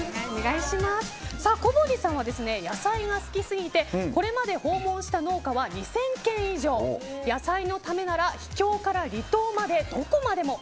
小堀さんは野菜が好きすぎてこれまで訪問した農家は２０００軒以上野菜のためなら秘境から離島までどこまでも。